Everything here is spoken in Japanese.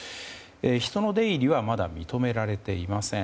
人の出入りはまだ認められていません。